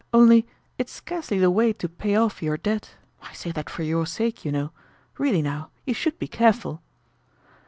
Only it's scarcely the way to pay off your debt; I say that for your sake, you know. Really now, you should be careful."